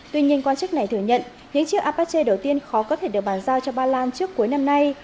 tuy nhiên quan chức này thừa nhận những chiếc apact đầu tiên khó có thể được bàn giao cho ba lan trước cuối năm nay